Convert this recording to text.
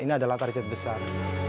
ini adalah target besar